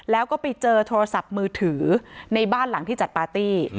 แล้วก็ไปเจอโทรศัพท์มือถือในบ้านหลังที่จัดปาร์ตี้